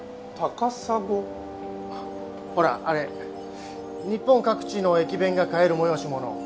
ほらあれ日本各地の駅弁が買える催し物。